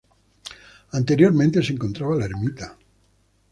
Anteriormente se encontraba la ermita.